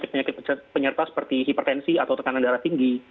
penyakit penyerta seperti hipertensi atau tekanan darah tinggi